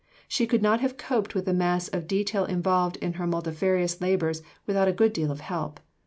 She could not have coped with the mass of detail involved in her multifarious labours without a good deal of help.